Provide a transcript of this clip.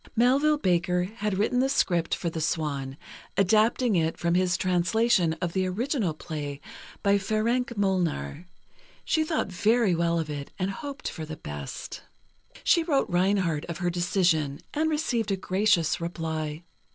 Melville Baker had written the script for "The Swan," adapting it from his translation of the original play by Ferenc Molnar. She thought very well of it, and hoped for the best. She wrote Reinhardt of her decision, and received a gracious reply.